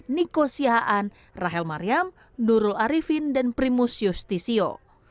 niko sehaan rahel maryam nurul arifin dan primus justisio